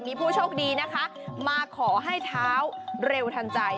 มีผู้โชคดีนะคะมาขอให้เท้าเร็วทันใจ